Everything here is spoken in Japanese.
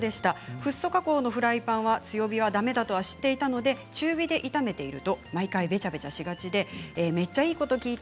フッ素加工のフライパンは強火はだめだと知っていたので中火で炒めていると毎回べちゃべちゃしがちでめっちゃいいこと聞いた。